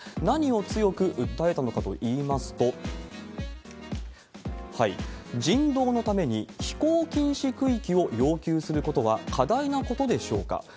何を強く訴えたのかといいますと、人道のために飛行禁止区域を要求することは過大なことでしょうか？